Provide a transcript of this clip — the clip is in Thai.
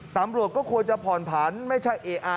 ตำรวจก็ควรจะผ่อนผันไม่ใช่เออะ